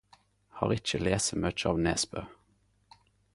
Har ikkje lese mykje av Nesbø.